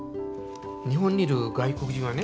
日本にいる外国人はね